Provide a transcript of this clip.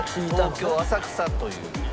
東京浅草という。